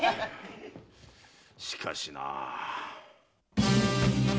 しかしなぁ。